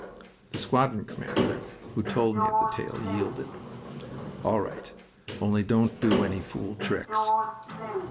The squadron commander, who told me of the tale, yielded. "All right. Only don't do any fool tricks."